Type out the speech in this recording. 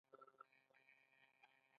ایا ورسره لوبې کوئ؟